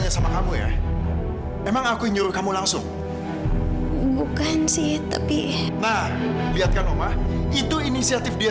sama kamu ya emang aku nyuruh kamu langsung bukan sih tapi lihatkan omah itu inisiatif dia